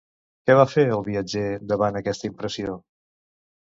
Què va fer, el viatger, davant aquesta impressió?